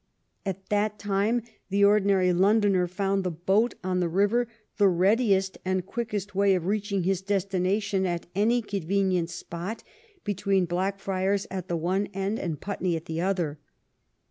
At that time the ordinary Londoner found the boat on the river the readiest and. quickest way of reaching his destination at any convenient spot be tween Blackfriars at the one end and Putney at the other.